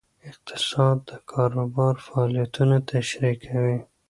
اقتصاد د کار بازار فعالیتونه تشریح کوي.